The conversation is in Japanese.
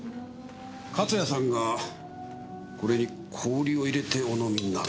勝谷さんがこれに氷を入れてお飲みになるとは。